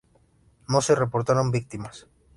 No se reportaron víctimas.